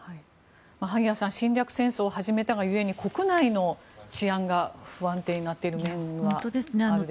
萩谷さん侵略戦争を始めたが故に国内の治安が不安定になっている面があるでしょうか。